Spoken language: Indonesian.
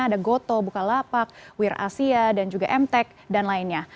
ada goto bukalapak wir asia dan juga emtek dan lainnya